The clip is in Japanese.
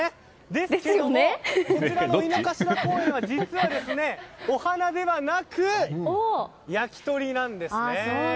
ですけれども、井の頭公園では実は、お団子ではなく焼き鳥なんですね。